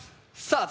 さあ